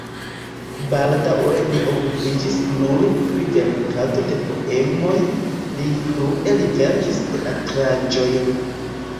Baldaŭe li okupiĝis nur pri verkado de poemoj (pli frue li verkis teatraĵojn).